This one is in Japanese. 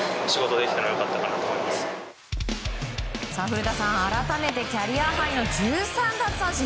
古田さん、改めてキャリアハイの１３奪三振。